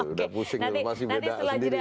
udah pusing lho masih beda sendiri